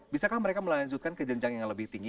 bisakah mereka melanjutkan ke jenjang yang lebih tinggi